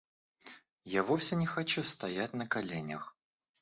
Я вовсе не хочу стоять на коленях.